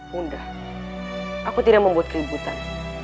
mudah aku tidak membuat keributan